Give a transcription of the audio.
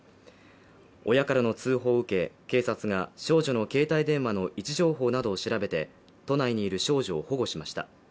親からの通報を受け警察が少女の携帯電話の位置情報などを調べて都内にいる少女を保護しました。